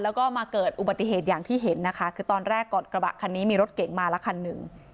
แล้วก็มาเกิดอุบัติเหตุอย่างที่เห็นนะคะคือตอนแรกก่อนกระบะคันนี้มีรถเก๋งมาละคันหนึ่ง